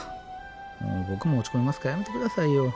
もうボクも落ち込みますからやめて下さいよ。